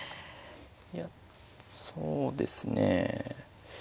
いやそうですね。